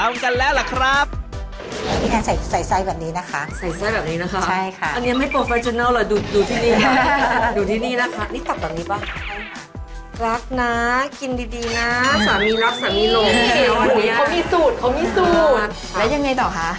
ไม่น่าประจานกันแบบนี้เลยนะคะ